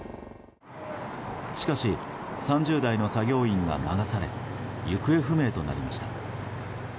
しかし３０代の作業員が流され行方不明となりました。